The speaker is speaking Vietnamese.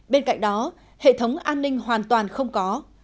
bên cạnh đó hệ thống an ninh hoàn toàn không có